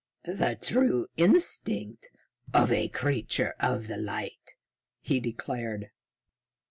"The true instinct of a Creature of the Light," he declared.